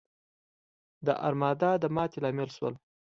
د ارمادا د ماتې لامل شول.